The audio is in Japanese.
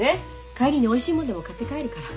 帰りにおいしいものでも買って帰るから。